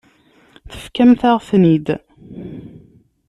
Tefkamt-aɣ-ten-id.